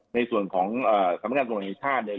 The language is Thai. ในส่วนของสัมพันธ์การส่วนอังกฤษชาติเนี่ย